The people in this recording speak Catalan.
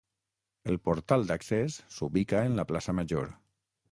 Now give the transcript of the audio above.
El portal d'accés s'ubica en la plaça Major.